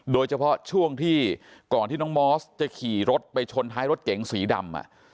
โดยเฉพาะช่วงที่ก่อนที่น้องมอสจะขี่รถไปชนท้ายรถเก๋งสีดำ